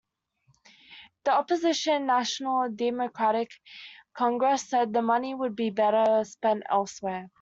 The opposition National Democratic Congress said the money would be better spent elsewhere.